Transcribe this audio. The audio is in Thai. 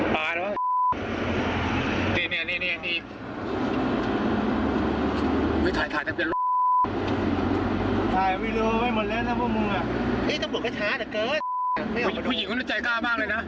ผู้หญิงก็จะใจกล้าบ้างเลยนะ